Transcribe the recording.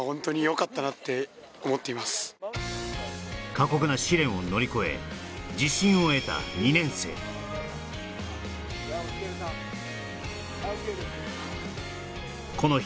過酷な試練を乗り越え自信を得た２年生・はいＯＫです